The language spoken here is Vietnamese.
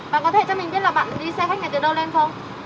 và có thể cho mình biết là bạn đi xe khách này từ đâu lên không